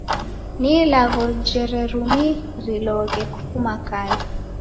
Ni ilagho jererumiriloghe kufuma kala.